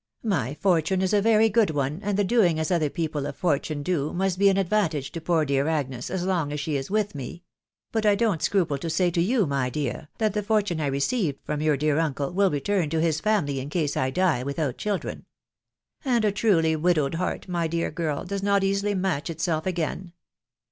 My fortune is a very good one, and the doing as other people of fortune do, must be an advantage to poor dear Agnes as long as she is with me ;.... but I don't scruple to say to you, my dear, that the fortune I received from your dear uncle will return to his family in case I die without children. ..• And a truly widowed heart, my dear girl, does not easily match itself again.